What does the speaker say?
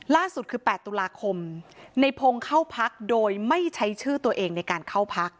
ล่าสุดคือ๘ตุลาคมในพงศ์เข้าพักโดยไม่ใช้ชื่อตัวเองในการเข้าพัก